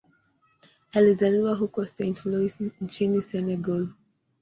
Alizaliwa huko Saint-Louis nchini Senegal.